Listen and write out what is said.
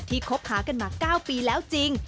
ที่คบค้ากันมา๙ปีแล้วจริง